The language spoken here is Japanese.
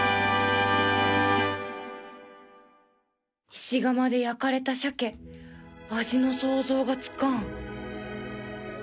石窯で焼かれたシャケ味の想像がつかん